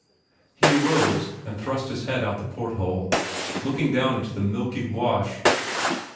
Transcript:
He arose and thrust his head out the port hole, looking down into the milky wash.